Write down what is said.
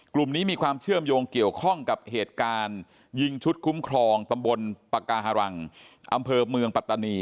กลุ่มนี้มีความเชื่อมโยงเกี่ยวข้องกับเหตุการณ์ยิงชุดคุ้มครองตำบลปาการังอำเภอเมืองปัตตานี